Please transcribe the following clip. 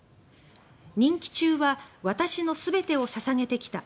「任期中は私の全てを捧げてきた」